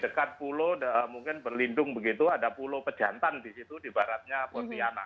dekat pulau mungkin berlindung begitu ada pulau pejantan di situ di baratnya pontianak